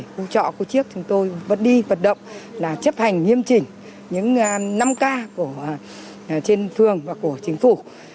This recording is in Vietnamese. khu trọ của chiếc chúng tôi vẫn đi vận động là chấp hành nghiêm chỉnh những năm k trên phường và của chính phủ